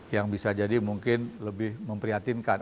yang bisa jadi mungkin lebih memprihatinkan